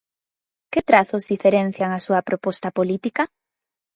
Que trazos diferencian a súa proposta política?